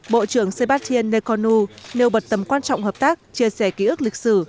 bộ trưởng sébastien nekonu nêu bật tầm quan trọng hợp tác chia sẻ ký ức lịch sử